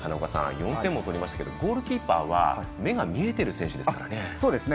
４点も取りましたけどゴールキーパーは目が見えている選手ですからね。